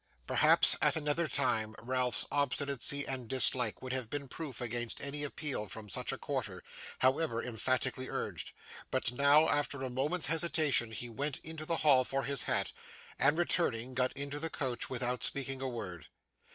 Perhaps, at, another time, Ralph's obstinacy and dislike would have been proof against any appeal from such a quarter, however emphatically urged; but now, after a moment's hesitation, he went into the hall for his hat, and returning, got into the coach without speaking a word.